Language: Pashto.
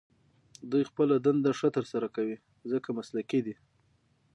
دوی خپله دنده ښه تر سره کوي، ځکه مسلکي دي.